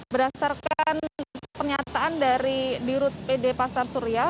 berdasarkan pernyataan dari dirut pd pasar suria